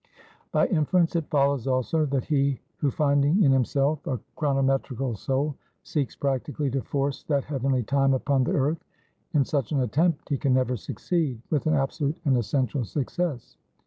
"By inference it follows, also, that he who finding in himself a chronometrical soul, seeks practically to force that heavenly time upon the earth; in such an attempt he can never succeed, with an absolute and essential success.